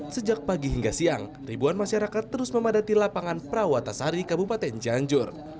sejak pagi hingga siang ribuan masyarakat terus memadati lapangan prawatasari kabupaten cianjur